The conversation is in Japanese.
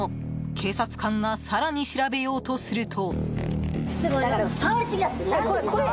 警察官が更に調べようとすると。